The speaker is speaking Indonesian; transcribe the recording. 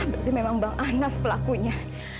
berarti memang bang anas pelakunya